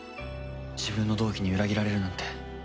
自分の同期に裏切られるなんて。